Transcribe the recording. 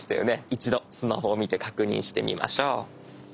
一度スマホを見て確認してみましょう。